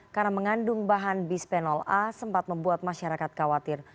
karena mengandung bahan bisphenol a sempat membuat masyarakat khawatir